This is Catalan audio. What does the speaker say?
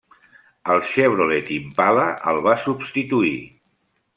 El Chevrolet Impala el va substituir.